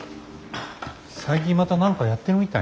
最近また何かやってるみたいね。